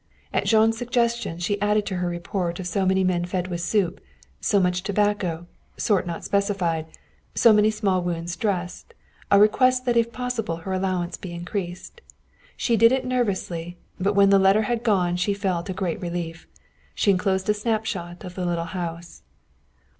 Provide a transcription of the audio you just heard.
At Jean's suggestion she added to her report of so many men fed with soup, so much tobacco, sort not specified, so many small wounds dressed a request that if possible her allowance be increased. She did it nervously, but when the letter had gone she felt a great relief. She enclosed a snapshot of the little house.